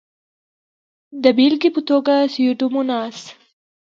د بېلګې په توګه سیوډوموناس.